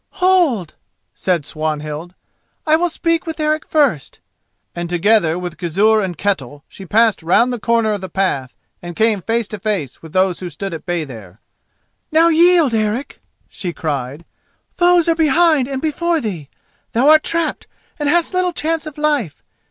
"Hold!" said Swanhild; "I will speak with Eric first," and, together with Gizur and Ketel, she passed round the corner of the path and came face to face with those who stood at bay there. "Now yield, Eric," she cried. "Foes are behind and before thee. Thou art trapped, and hast little chance of life.